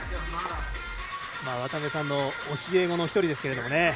渡辺さんの教え子の１人ですけどもね。